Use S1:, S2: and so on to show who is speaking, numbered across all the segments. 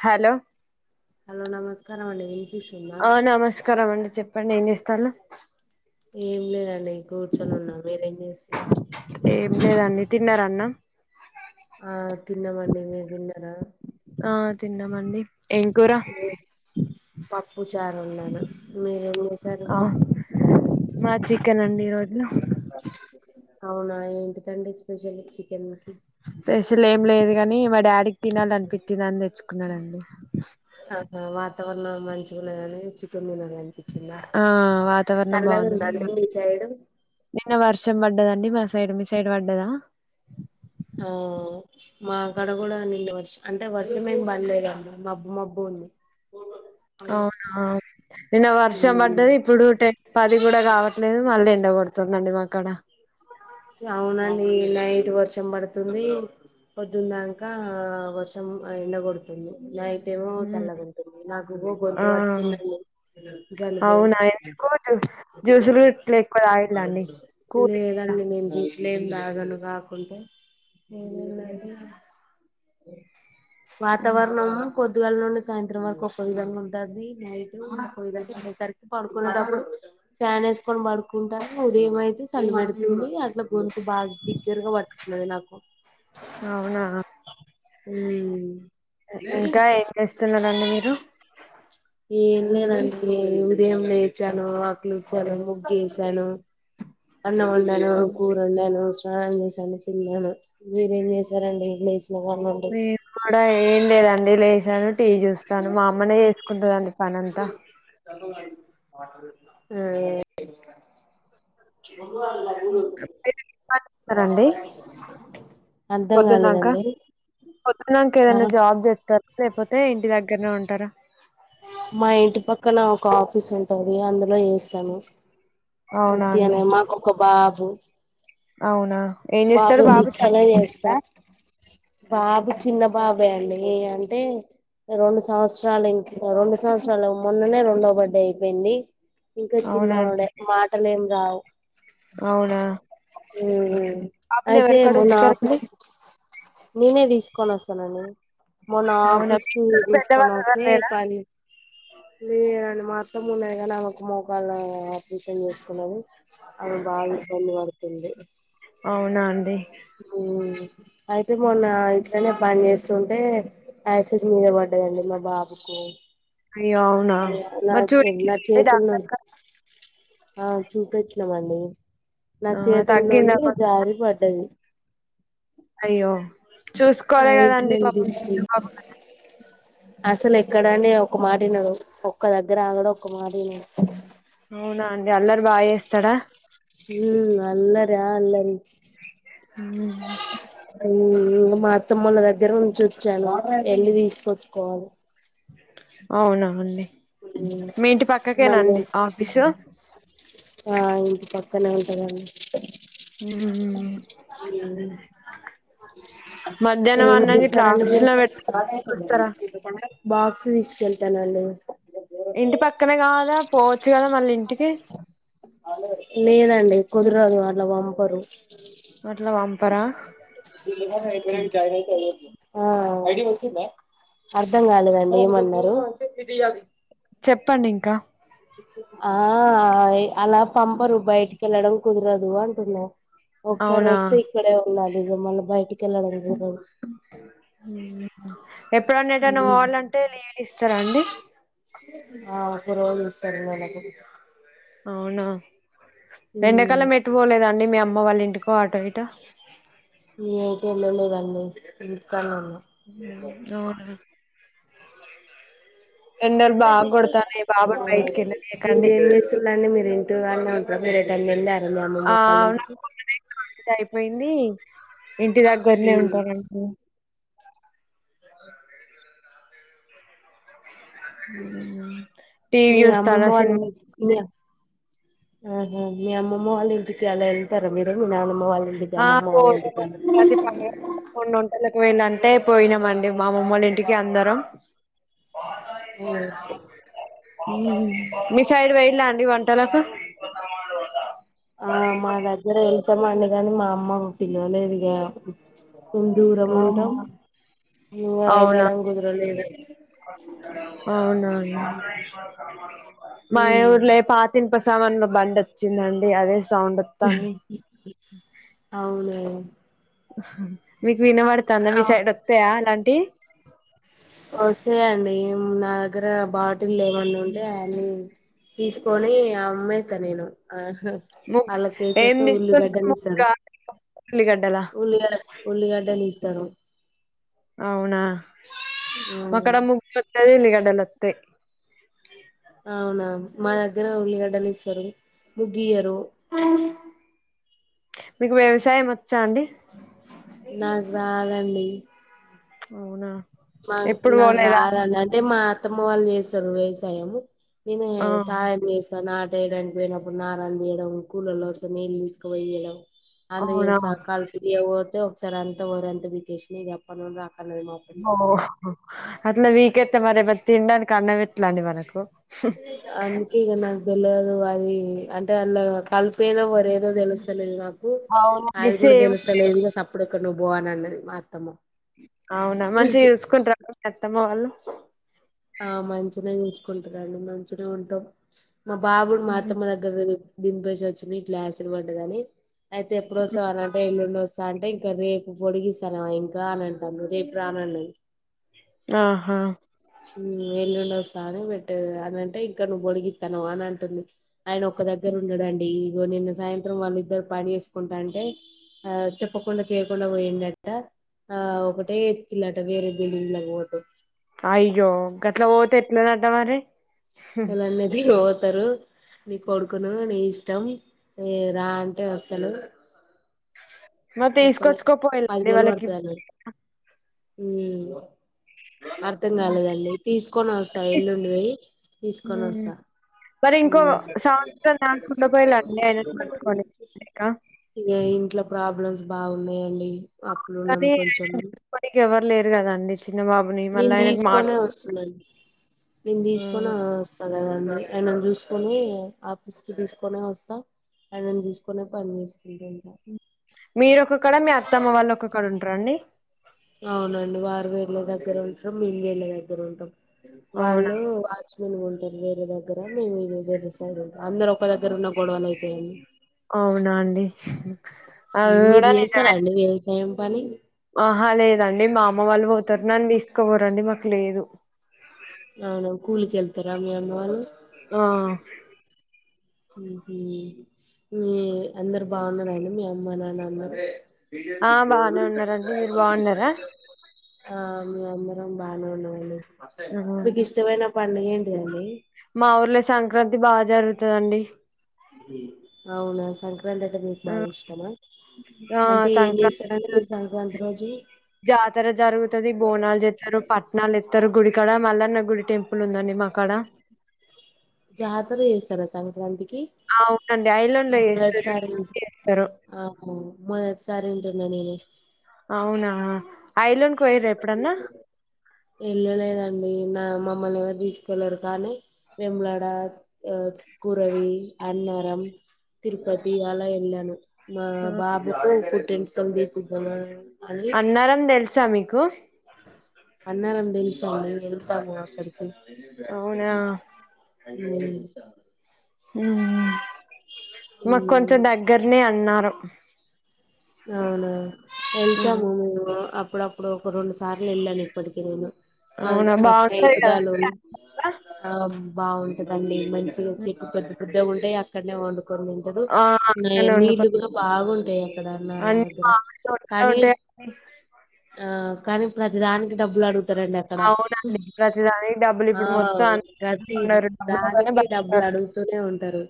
S1: Hello
S2: hello నమస్కారం అండి వినిపిస్తుందా
S1: ఆ నమస్కారం అండి చెప్పండి ఏం చేస్తాన
S2: ఏం లేదండి కూర్చొని ఉన్నా మీరేం చేస్తున్నా
S1: ఏం లేదండి తిన్నార అన్న
S2: ఆ తిన్నామండి మీరు తిన్నారా
S1: ఆ తిన్నామండి ఏం కూర
S2: పప్పు చారు వండాను మీరేం చేశారు
S1: ఆ మా చికెన్ అండి ఈరోజు
S2: అవునా ఏంటిదండి స్పెషల్ చికెన్ కి
S1: స్పెషల్ ఏం లేదు గాని మా డాడీకి తినాలి అనిపిచిందని తెచ్చుకున్నాడండి
S2: ఆహా వాతావరణం మంచిగాలేదని చికెన్ తిన లి అనిపించిందా
S1: ఆ వాతావరణం
S2: చల్లగా
S1: బాగుందని
S2: ఉందానే మీ సైడు
S1: నిన్న వర్షం పడ్డదండి మా సైడ్ మీ సైడ్ పడ్డదా
S2: ఆ మా కాడ కూడా నిన్న వర్ష అంటే వర్షం ఏం పడలేదండి మబ్బు మబ్బు ఉంది పో
S1: అవునా నిన్న వర్షం
S2: ఉమ్
S1: పడ్డది ఇప్పుడు టెన్ పది కూడా కావట్లేదు మళ్ళీ ఎండ కొడుతుందండి మా కాడ
S2: అవునండి నైట్ వర్షం పడుతుంది పొద్దున్నంక వర్షం ఆ ఎండ గొడుతుంది నై టేమో చల్లగుంటుంది నాకును గొంతు
S1: ఆ
S2: పట్టుకుందండి జలుబై
S1: అవునా ఎందుకు జూ జ్యూసులు ఇట్లా ఎక్కువ తాగిల్లండి కూల్
S2: లేదా
S1: గిట్లా
S2: మసులే లేదను కాకుండా
S1: హ్మ్.
S2: వాతావరణం కొద్దిగాల నుండి సాయంత్రం వరకు ఒక కొయ్యద ఉంటుంది నైట్ కొయ ఇప్పేసరికి పడుకునేప్పుడు ఫ్యాన్ వేసుకొని పడుకుంటారు నువదేమైతే చల్లి పడుతుంది గంతు బాగా దిగ్గరగా పట్టుకున్నది నాకు
S1: అవునా
S2: హ
S1: ఇంకా ఏం చేస్తున్నారండి మీరు
S2: ఏన్న నా దేం లేచాను ఆకులిచ్చాను గేసాను అన్న ఒండాను
S1: హ్మ్.
S2: కూరు ఉందేను ఆ అసిను మీరు ఎ చేస రండిసినడి
S1: మేము కూడా ఏం లేదండి లేసాను టీవీ చూస్తాను మా అమ్మనే చేసుకుంటుందండి పనింతా
S2: ఆ మందు వే కూడు
S1: మీరు ఏం పని చేస్తారండి
S2: అర్థం కాలేదండి
S1: పొద్దు నాంక
S2: ఆ
S1: ఏదైనా జాబ్ తెస్తారా లేకపోతే ఇంటి దగ్గరనే ఉంటారా
S2: మా ఇంటి పక్కన ఒక ఆఫీస్ ఉంటుంది అందులో వసాను వ
S1: అవునా అండి
S2: అనే మాకొక బాబు
S1: అవునా ఏం చేస్తాడు
S2: బబ
S1: బాబు
S2: నిజకాల చేస్త
S1: చదువుకుంటాడా
S2: బ చిన్న బాబా అండి అంటే రెండు సంవత్సరాలు ఇంకా రెండు సంవత్సరాలు మొన్ననే రెండవ బర్త్డే అయిపోయింది ఇంకా
S1: అవునా అండి
S2: చిన్నవాడే మాటలు ఏం రావు
S1: అవునా పాపని
S2: అయితే
S1: ఎవరి కాడ
S2: మొన్న ఆఫస్
S1: ఉంచుతారండి
S2: నేనే తీసుకొని వస్తానండి మొన్న
S1: అవునా
S2: ఆఫీస్
S1: మీ ఇంట్లో
S2: తీసుకొని
S1: పెద్దవాళ్ళు ఎవరు
S2: వస్తే
S1: లేరా
S2: పని లేరండి మాత్రం మూడురగానే ఆమెకు మోకాలు అ ఫతన్ చేసుకున్నది అమె బాగా ఇబ్బంది పడుతుంది
S1: అవునా అండి
S2: ఉ అయితే మొన్న ఇట్ సని పని చేస్తుంటే యాసిమ్ మీద పడ్డదండి మా బాబుకు
S1: అయ్యో అవునా
S2: ఎ
S1: మరి
S2: ఎలా
S1: చూయించలేదా
S2: చేయతు
S1: డాక్టర్ కా
S2: చూప ఇమడి నా
S1: ఆ
S2: చేతుల
S1: తగ్గిందా
S2: నుండి
S1: కొంచెం
S2: జారి పడ్డది
S1: అయ్యో చూసుకోవాలి
S2: ఏంటి
S1: కదండి
S2: నేను
S1: పాప చి
S2: తీసుకు
S1: పా
S2: అసలు ఎక్కడనే ఒక మాటనడు ఒక్క దగ్గర ఆగడ ఒకక్క మాటనడు
S1: అవునా అండి అల్లరు బాగా వేస్తాడా
S2: హ అల్లరి ఆ అల్లరి
S1: హ్మ్.
S2: అ మా అత్తమ్ముళ్ల దగ్గర నుంచి వచ్చాను ఎళ్లి తీసుకొచ్చుకోవాలి
S1: అవునవుండి
S2: ఉమ్
S1: మీ ఇంటి
S2: మళ్ళీ
S1: పక్కకేనాండి ఆఫీసు
S2: ఆ ఇంటి పక్కనే ఉంటదండి
S1: హ్మ్.
S2: అఓ
S1: మధ్యాహ్నం
S2: ఏమి
S1: అన్నం గిట్లా
S2: చేస్తారండి
S1: ఆఫీసు లో పెట్ చూస్తారా
S2: మీరు బాక్స్ తీసుకెళ్తానుండి
S1: ఇంటి పక్కనే కాదా పో
S2: లేదండి కుదిరోజు వాట్ల వంపరు
S1: మలం అంపరా
S2: వచ్చిందా అర్ధం కాలేదండి ఏమన్నారు
S1: చెప్పండి ఇంకా
S2: ఆ అలా పంపరు బయటికి వెళ్ళడం కుదరదు అంటున్నారు ఒకసారి
S1: అవునా
S2: వస్తే ఇక్కడే ఉన్నాలి ఇక మళ్ళీ బయటికి వెళ్ళడం కూడదు
S1: ఎప్పుడన్న ఎటన్నా బోవలంటే లీవ్ ఇస్తారా అండి
S2: ఆ ఒక రోజు ఇస్తారు అండి నెలఆకరిని
S1: అవునా ఎండాకాలం ఎటు పోలేదా అండి మీ అమ్మ వాళ్ళ ఇంటికి
S2: ఎటూ ఎళ్ళలేదండి ఇంటికాన్నే ఉన్నా
S1: అవునా ఎండలు బాగా కొడతాన్నాయి బాబుని బయటికి వెళ్ళనీయకండి
S2: మీరేం చేసుళ్ళు అండి మీరు ఇంటికాడ్నె దాన్ని నిండా
S1: ఆ నాకు ఒకటే గ ఇది అయిపోయింది ఇంటి దగ్గర్నే ఉంటారు అంటే మ్మ్. టీవీ
S2: మ
S1: చూస్తానా
S2: అమ్మమ్మ వాళ్ళు
S1: సినిమా
S2: మీ ఆహ మీ అమ్మమ్మ వాళ్ళ ఇంటికి అలా ఎళ్తారా మీరు మీ నానమ్మ వాళ్ళు
S1: ఆ పోదుము ఉగాది పండగ మొన్న వంటలకు ఒయిన అంటే పోయినామండి మా అమ్మమ్మ వాళ్ళ ఇంటికి అందరం
S2: ఇంగో
S1: మీ సైడ్ వెేయలా అండి వ
S2: ఆ మా దగ్గర ఎంత మంది కాని మా అమ్మమ్మ పిలవలేదుగా దూరం ఉంటాం ఎళ్ళడం కుదరలేదే
S1: అవునవును
S2: ఉమ్
S1: మాయుర్లే పాట ఇనిపి సమన్ల బండి వచ్చిందండి అదే సౌండ్ వత్తాంది
S2: అవునా
S1: మీకు వినబడుతందా మీ సైడ్ వత్తయా అలాంటి
S2: వస్తాయ్ అండి నా దగ్గర బాటిల్ లేమన్నా ఉంటే అని తీసుకొని అమ్మేసా నేను ఆ
S1: ము
S2: అలా
S1: ఏం
S2: కేచేత్తే
S1: తీసుకుంటాం
S2: ఉల్లుగడ్డలు
S1: ముక్క
S2: ఇస్తారు
S1: ఉల్లిగడ్డల
S2: ఉల్ ఉల్లి గడ్డలిస్తారు.
S1: అవునా ఒక్కడ
S2: ఉమ్
S1: ముగ్గు లేద ఉల్లి గడ్డలొత్తయ్
S2: అవునా మా దగ్గర ఉల్లిగడ్డలిస్తారు ముగ్గుఇయరు
S1: మీకు వ్యవసాయం వచ్చా అండి
S2: నాకు రాదండి
S1: అవునా
S2: మా
S1: ఎప్పుడు
S2: నాకు
S1: పోలేదా
S2: రాదండి అంటే మా అత్తమ్మ వాళ్ళు చేస్తారు వ్యవసాయము నేను
S1: ఆ
S2: సాయం చేస్తా న తేడానికి పోయినప్పుడు నారలు దీయడం కూలోళ్ళు వస్తే నీళ్ళు తీసుకువేయడం అంద
S1: అవునా
S2: చేసా కల్పు దియ్య ఒతే ఒకసారి అంత వరి అంత పీకేసిన ఇగ జెప్పను ర పర్లేదు మా పిన్ని
S1: ఓ అట్లా వీకెత్తే మరి తినడానికి అన్నం ఎట్లా అండి మనకు
S2: అందుకే ఇగ ఇంక నాకు తెల్వదు అది అంటే అళ్ళో కల్పు ఎదో వరి ఏదో తెలుస్తలేదు నాకు
S1: అవునండి
S2: అది కూడా
S1: సేమ్
S2: తెలుస్తలేదు ఇగ సప్పుడు ఇక్కడ నువ్వు బో అని అన్నది మా అత్తమ్మ
S1: అవునా మంచిగా చూసుకుంటార మీ అత్తమ్మ వాళ్ళు
S2: ఆ మంచినె చూసుకుంటు రండి మంచినే ఉంటాం మా బాబుడు మా అత్తమ్మ దగ్గర దింపేసి వచ్చిన ఇట్లా ఎసిడ్ పడ్డదని అయితే ఎప్పుడు వస్తావ్ అనంటే ఎల్లుండ వస్తా అంటే ఇంకా రేపు పొడిగిస్తానవ ఇంకా అని అంటాంది రేపు రా అన్నది
S1: ఆహా
S2: ఎల్లుండి వస్తా అని పెట్టేసా అనంటే ఇంక నువ్వు పొడిగితనవా అని అంటుంది ఆయన ఒక దగ్గర ఉండడు అండి ఇగో నిన్న సాయంత్రం వాళ్ళ ఇద్దరు పని చేేసుకుంటాంటే ఆ చెప్పకుండా చేయకుండా పోయింది అంట ఆ ఒకటే ఎత్కిలట వేరే బిల్డింగ్ లోకి బోతే
S1: అయ్యో కట్లా ఓతే ఎట్ల నాట్ట మరి
S2: ఎలాన్నది తారు నీ కొడుకును నీ ఇష్టం రా అంటే అస్తడు
S1: మరి
S2: చెప్పలే పది
S1: తీసుకొచ్చుకోపోయిళండి
S2: రోజులు
S1: వాళ్ళకి
S2: పడుతది అన్నారు హ అర్ధం కాలేదండి తీసుకొని వస్తా ఎల్లుండి పోయి తీసుకొని
S1: ఉమ్.
S2: వస్తా
S1: మరి ఇంకో సంవత్సరం నాకుండా పోయలా ఆయనను పట్టుకొని ఉండేకా
S2: ఏ ఇంట్ల ప్రాబ్లమ్స్ బాగున్నాయండి అప్పులున్నాం
S1: కాని
S2: కొంచెం
S1: ఆయన చుసుకోడానికి ఎవరు లేరు కదండి చిన్న బాబుని మళ్ళీ
S2: నేను
S1: ఆయనకు మాట
S2: తీసుకోనే వస్తుందిండి నేను తీసుకొనే
S1: ఉమ్.
S2: వస్తా కదాన్నరి ఆయనను చూసుకొని ఆఫీస్ తీసుకొనే వస్తా ఆయనను తీసుకునే పని చేసుకుంటా ఉంటా
S1: మీరు ఒకక్కక్కడ మీ అత్తమ్మ వాళ్ళు ఒకక్కడ ఉంటార అండి
S2: ద్గర ఉంటాం మేళ్ళ దగ్గర ఉంటాం
S1: అవునా
S2: వాళ్ళు వాచ్మెన్ ఉంటారు వేరే దగ్గర మేము ఇ వేరే సైడ్ ఉంట అందరు ఒక దగ్గర ఉన్న గొడవలు అయితాయండి
S1: అవునా అండి అది
S2: మీరు
S1: కూడా
S2: చేస్తారా
S1: నిజమే
S2: అండి వ్యవసాయం పని
S1: ఆహా లేదండి మా అమ్మ వాళ్ళు పోతారు నన్ను తీసుకోపోరండి మాకు లేదు
S2: అవునా కూలీకెళ్తారా మీ అమ్మ వాళ్ళు
S1: ఆ
S2: ఉహూ మీ అందరు బాగున్నారండి మీ అమ్మ నాన్న అందరు
S1: ఆ బానే
S2: గోలు క
S1: ఉన్నారండి మీరు
S2: మ చ
S1: బాగున్నారా
S2: [unintelligible] ఆ మీ అందరం బాగానే ఉన్నామండి
S1: ఆహా!
S2: మీకు ఇష్టమైన పండుగ ఏంటిదండి
S1: మా ఊర్లో సంక్రాంతి బాగా జరుగుతుందండి
S2: అవునా సంక్ర సంక్రాంతి అంటే మీకు బాగా
S1: హ్మ్.
S2: ఇష్టమా
S1: ఆ
S2: అంటే ఏం చేస్తారండి
S1: సంక్రాంతి
S2: మీరు సంక్రాంతి రోజు
S1: జాతర జరుగుతది బోనాలు జెతరు పట్నాలు ఏతరు గుడి ఇక్కడ మల్లన్న గుడి టెంపుల్ ఉందండి మాక్కడ
S2: జాతర చేస్తారా సంక్రాంతి కి
S1: అవునండి ఐలాండ్ లో చేస్తారు
S2: మొదటిసారి
S1: చేస్తారు
S2: ఆ మొదటి సరేంటున్నా నేను
S1: అవునా ఐలండ్ కి పోయిరా ఎప్పుడన్నా
S2: ఎల్ళలేదండి నా మమ్మల్ని ఎవరు తీసుకెళ్ళరు కానీ వేములవాడ ఆ కురవి అన్నరం తిరుపతి అలా ఎళ్లాను మా
S1: ఆ!
S2: బాబుకి పుట్టు ఎంటికలు తీపిద్దామని
S1: క్క
S2: అన్నరం తెలుసా అండి వెళ్తాము అక్కడికి
S1: అవునా
S2: అ
S1: మాకు కొంచెం దగ్గరనే అన్నారం
S2: అవునా
S1: హ్మ్.
S2: వెళ్తాము మేము అప్పుడప్పుడు ఒక రెండు సార్లు వెళ్ళాను ఇప్పటికి నేను మా
S1: అవునా
S2: మా
S1: బాగుంటది
S2: స్నేహితురాలు
S1: కదా
S2: ఆ బాగుంటదండి మంచిగా చెట్టు పెద్ద పెద్దగా ఉంటే అక్కడనే వండు కొని తింటారు
S1: ఆ అక్కడనే
S2: నీళ్లు
S1: వండుకొని
S2: కూడా బాగుంటాయి అక్కడ అన్నరం
S1: అన్ని
S2: దగ్గర
S1: మామిడి తోటలో
S2: కానీ
S1: ఉంటాయండి.
S2: కానీ ప్ర డబ్బులు అడుగుతారండి అక్కడ
S1: అవునండి ప్రతిదానికి డబ్బులు ఇప్పుడు మొత్తం అందరూ
S2: ప్రతి
S1: ఉన్నారు డబ్బులతోనే
S2: దానికి డబ్బులు అడుగుతూనే ఉంటారు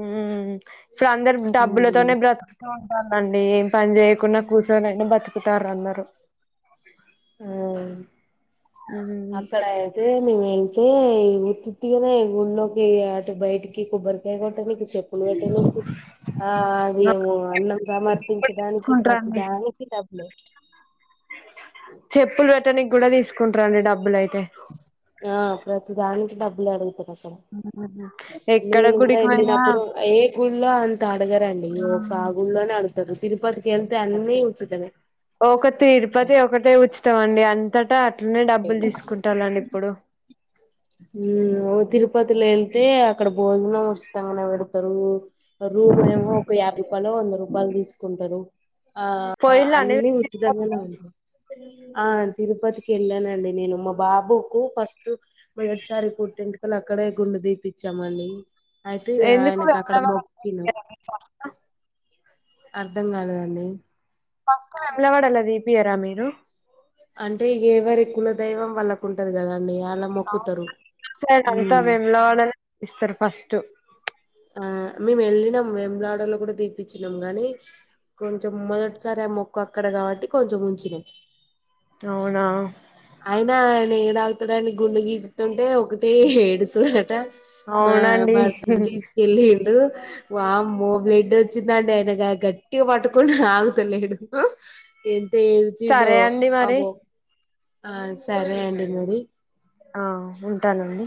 S1: ఉమ్ ఇప్పుడు అందరూ
S2: ఉమ్
S1: డబ్బులతోనే బ్రతుకు లండి ఏం పని చేయకుండా కూర్చొనిన్న బ్రతుకుతారు అందరూ
S2: ఆ
S1: హ్మ్
S2: అక్కడ అయితే మేము ఉత్తిత్తిగానే గుడిలోకి ఆ బైటకి కొబ్బరికి కొట్టంనికి చెప్పులు పెట్టనికి ఆ
S1: ఆ!
S2: అదేమో అన్నం
S1: ఇప్పుడు
S2: సమర్పించడానికి
S1: తీసుకుంటారండి
S2: ప్రతిదానికి డబ్బే
S1: చెప్పులు పెట్టనికి కూడా తీసుకుంటారండి డబ్బులు అయితే
S2: ఆ ప్రతి దానికి డబ్బులు అడుగుతారు అసలు
S1: ఎక్కడ
S2: నేను కూడా
S1: గుడికి పోయినా
S2: వెళ్ళినప్పుడు ఏ గుళ్ళో అంత అడగరండి ఒక
S1: హ్మ్.
S2: ఆ గుళ్నే నే అడుగు తిరుపతికి వెళ్తే అన్ని ఉచితమే
S1: ఒక తిరుపతి ఒకటే ఉచితమండి అంతటా అన్ని డబ్బులు తీసుకుంటాలండి ఇప్పుడు
S2: తిరుపతిలో వెళ్తే అక్కడ భోజనం ఉచితంగానే పెడతారు రోమ్ ఏమో ఒక యాభై రూపాయలు వంద రూపాయలు తీసుకుంటారు ఆ
S1: పోయిల్లండి
S2: అన్ని
S1: మీరు తిరుపతికి?
S2: ఉచితంగానే ఉంది ఆ తిరుపతికి వెళ్ళానండి నేను మా బాబుకు ఫస్ట్ మొదటిసారి పుట్టింటికల్లు అక్కడే గుండె తిపిచ్చామండి అయితే
S1: ఎందుకు
S2: ఆయనకు అక్కడ
S1: వేములవాడ
S2: మొక్కినం
S1: ఫస్ట్
S2: అర్ధం కాలేదండి
S1: ఫస్ వెమ్లవాడాల దీపియరా మీరు
S2: అంటే ఇక ఏవరి కులదైవం వాళ్ళకు ఉంటది కదండి అలా మొక్కుతారు
S1: ఆవును ఇటు సైడ్ అంతా
S2: ఉమ్
S1: వెములవాడని తీపిస్తారు ఫస్ట్
S2: ఆ మేము వెళ్ళినాం వెములాడలో కూడా తీిప్పచ్చినాము గాని కొంచెం మొదటిసారి ఆ మొక్కు అక్కడ కాబట్టి కొంచెం ఉంచినం
S1: అవునా
S2: న ఏడ ఆగుతుడానికి గుండగి టే ఒకటి ఏడుసుదట మా
S1: అవునండి
S2: భర్త తి తె లేడు వామ్మో బ్లెడ్ వచ్చిందాండి ఆయన గట్టిగా పట్టుకుని ఆగు తెలేడు ఎంత ఏడ్చిండు
S1: సరే అండి మరి
S2: పాపం ఆ సరే అండి మరి
S1: ఆ ఉంటానండి